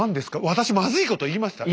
私まずいこと言いました？